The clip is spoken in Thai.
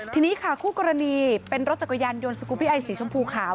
ทีนี้ค่ะคู่กรณีเป็นรถจักรยานยนต์สกูบิไอสีชมพูขาว